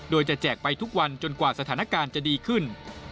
โดยจะแจกไปทุกวันจนกว่าสถานการณ์จะดีขึ้น